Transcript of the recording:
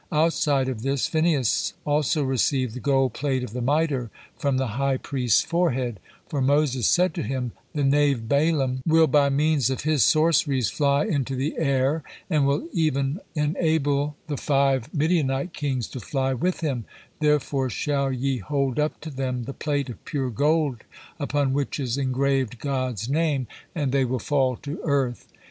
Outside of this Phinehas also received the gold plate of the mitre from the high priest's forehead, for Moses said to him: "The knave Balaam will by means of his sorceries fly into the air, and will even enable the five Midianite kings to fly with him, therefore shall ye hold up to them the plate of pure gold upon which is engraved God's name, and they will fall to earth."